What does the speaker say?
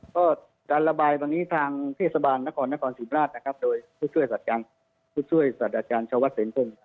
ก็การระบายตรงนี้ทางเทศบาลนครนครสิบราชนะครับโดยผู้ช่วยสัตว์จังผู้ช่วยสัตว์อาจารย์ชาววัฒน์เศรษฐง